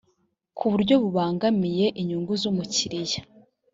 ku buryo bubangamiye inyungu z umukiriya